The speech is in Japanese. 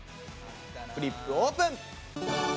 フリップ、オープン！